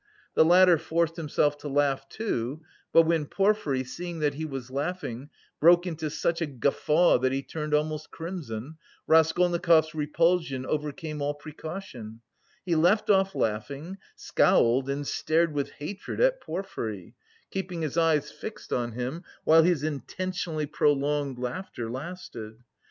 The latter forced himself to laugh, too, but when Porfiry, seeing that he was laughing, broke into such a guffaw that he turned almost crimson, Raskolnikov's repulsion overcame all precaution; he left off laughing, scowled and stared with hatred at Porfiry, keeping his eyes fixed on him while his intentionally prolonged laughter lasted.